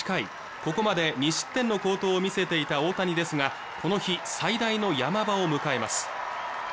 ここまで２失点の好投を見せていた大谷ですがこの日最大のヤマ場を迎えます